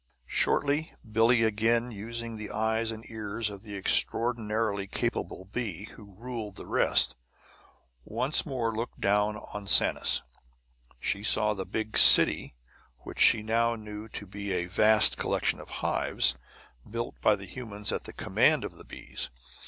Shortly Billie again using the eyes and ears of the extraordinarily capable bee who ruled the rest, once more looked down upon Sanus. She saw the big "city," which she now knew to be a vast collection of hives, built by the humans at the command of the bees.